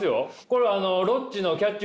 これ。